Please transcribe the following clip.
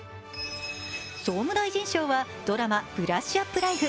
総務大臣賞はドラマ「ブラッシュアップライフ」。